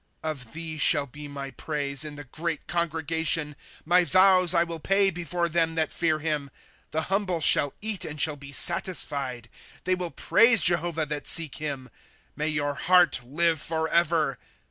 ^* Of thee shall be my praise, in the great congregation ; My vows I will pay before them that fear him. ^'^ The humble shall eat, and shall be satisfied ; They will praise Jehovah that seek him ; May your heart hve forever